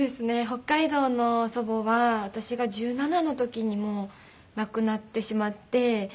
北海道の祖母は私が１７の時にもう亡くなってしまって。